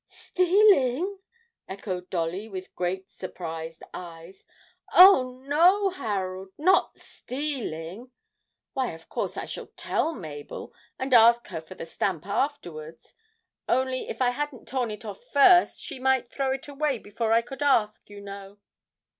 'Stealing!' echoed Dolly, with great surprised eyes. 'Oh, no, Harold not stealing. Why, of course I shall tell Mabel, and ask her for the stamp afterwards only if I hadn't torn it off first, she might throw it away before I could ask, you know!'